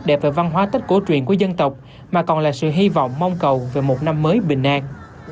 sắc đẹp và văn hóa tách cổ truyền của dân tộc mà còn là sự hy vọng mong cầu về một năm mới bình an